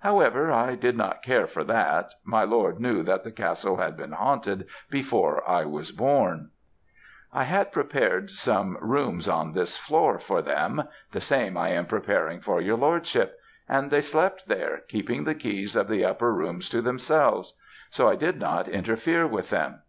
However, I did not care for that, my lord knew that the castle had been haunted before I was born. "'I had prepared rooms on this floor for them the same I am preparing for your lordship, and they slept there, keeping the keys of the upper rooms to themselves, so I did not interfere with them.